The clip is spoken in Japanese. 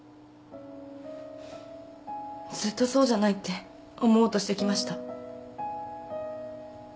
ずっとそうじゃないって思おうとしてきました。